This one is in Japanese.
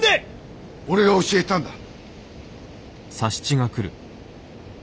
・俺が教えたんだ。